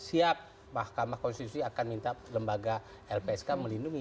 siap mahkamah konstitusi akan minta lembaga lpsk melindungi